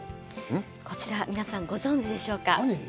こちら、皆さんご存じでしょうか。